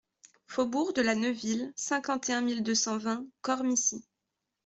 Faubourg de la Neuville, cinquante et un mille deux cent vingt Cormicy